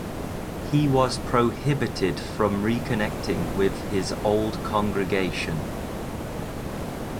He was prohibited from reconnecting with his old congregation.